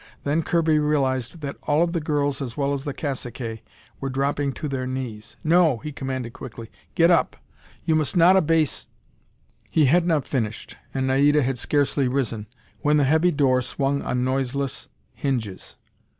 Then Kirby realized that all of the girls, as well as the caciques, were dropping to their knees. "No!" he commanded quickly. "Get up! You must not abase " He had not finished, and Naida had scarcely risen, when the heavy door swung on noiseless hinges.